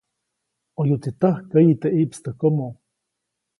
ʼOyuʼtsi täjkäyi teʼ ʼiʼpstäjkomo.